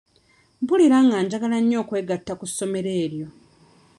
Mpulira nga njagala nnyo okwegatta ku ssomero eryo.